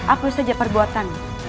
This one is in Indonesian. aku saja perbuatanku